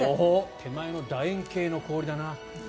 手前の楕円形の氷だな。